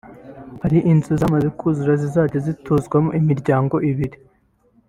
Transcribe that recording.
Hari inzu zamaze kuzura zizajya zituzwamo imiryango ibiri